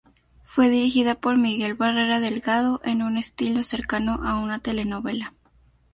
Fue dirigida por Miguel Barreda Delgado en un estilo cercano a una telenovela.